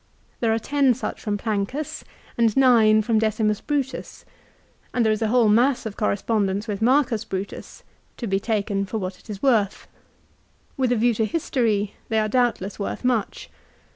There are ten such from Plancus, and nine from Decimus Brutus. And there is a whole mass of correspondence witli Marcus Brutus, to be taken for what it is worth. With a view to history they are doubtless worth much.